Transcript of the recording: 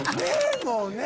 もうねぇ！